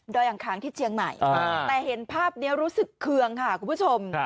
อังคางที่เชียงใหม่แต่เห็นภาพนี้รู้สึกเคืองค่ะคุณผู้ชม